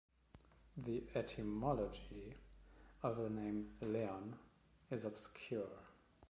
The etymology of the name Leon is obscure.